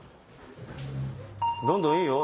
どんどんいいよ。